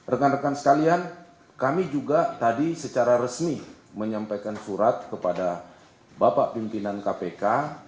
rekan rekan sekalian kami juga tadi secara resmi menyampaikan surat kepada bapak pimpinan kpk